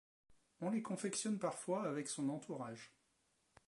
On les confectionne parfois avec son entourage.